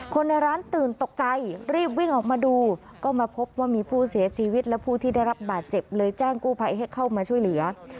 คนในร้านตื่นตกใจรีบวิ่งออกมาดูก็มาพบว่ามีผู้เสียชีวิตและผู้ที่ได้รับบาดเจ็บเลยแจ้งกู้ภัยให้เข้ามาช่วยเหลือ